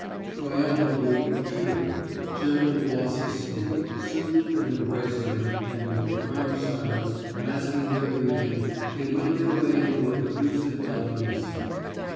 Triumphantly, eagerly, gentle glossy sleep soothed and embraced him and in profound silence masking their breathing they went their way into a pellucid melting sea.